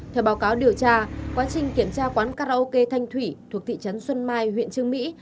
theo báo cáo điều tra quá trình kiểm tra quán karaoke thanh thủy thuộc thị trấn xuân mai huyện trương mỹ